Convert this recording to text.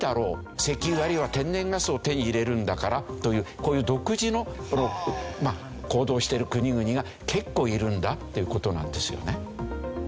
石油あるいは天然ガスを手に入れるんだからというこういう独自の行動をしている国々が結構いるんだっていう事なんですよね。